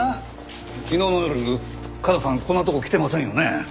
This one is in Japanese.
昨日の夜加奈さんこんなとこ来てませんよね。